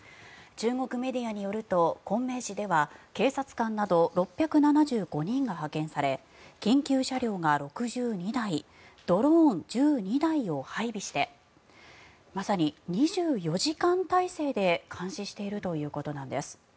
中国メディアによると昆明市では警察官など６７５人が派遣され緊急車両が６２台ドローン１２台を配備してまさに２４時間態勢で監視しているということなんです。